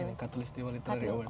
ini katulistiwa literary award